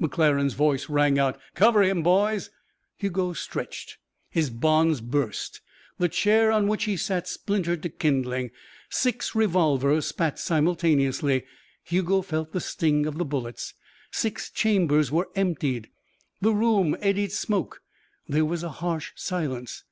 McClaren's voice rang out: "Cover him, boys." Hugo stretched. His bonds burst; the chair on which he sat splintered to kindling. Six revolvers spat simultaneously. Hugo felt the sting of the bullets. Six chambers were emptied. The room eddied smoke. There was a harsh silence.